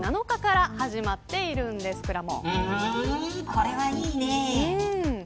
これはいいね。